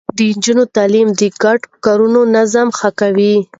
د نجونو تعليم د ګډو کارونو نظم ښه کوي.